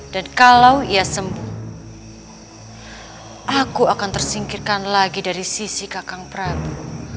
dan kalau ia sembuh aku akan tersingkirkan lagi dari sisi kakang prabu